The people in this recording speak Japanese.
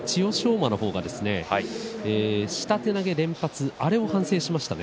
馬は下手投げ連発あれを反省していました。